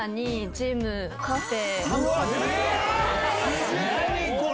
ジムカフェ？